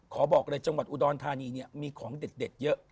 บอกเลยจังหวัดอุดรธานีเนี่ยมีของเด็ดเยอะ